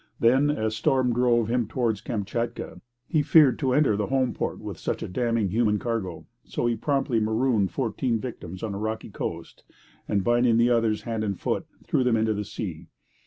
Then, as storm drove him towards Kamchatka, he feared to enter the home port with such a damning human cargo. So he promptly marooned fourteen victims on a rocky coast, and binding the others hand and foot, threw them into the sea.